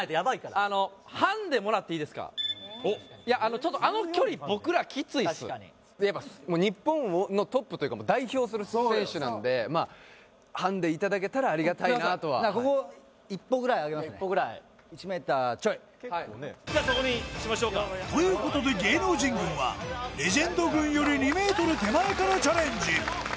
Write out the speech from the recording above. ちょっとあの距離僕らキツいっす日本のトップというか代表する選手なんでハンデいただけたらありがたいなとはここ１ｍちょいそこにしましょうかということで芸能人軍はレジェンド軍より２ｍ手前からチャレンジ